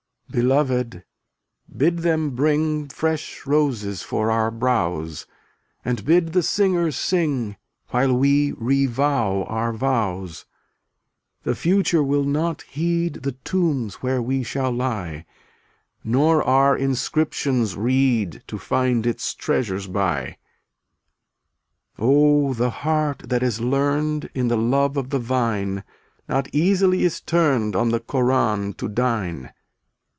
e\m$ Beloved, bid them bring Fresh roses for our brows, And bid the singers sing, While we revow our vows. The future will not heed The tombs where we shall lie, Nor our inscriptions read To find its treasures by. 278 Oh, the heart that is learned In the love of the vine Not easily is turned On the Koran to dine.